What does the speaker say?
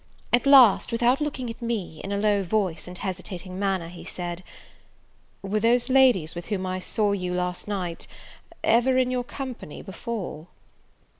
At last, without looking at me, in a low voice, and hesitating manner, he said, "Were those ladies with whom I saw you last night ever in your company before?"